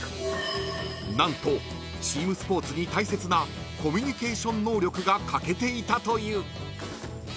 ［何とチームスポーツに大切なコミュニケーション能力が欠けていたという］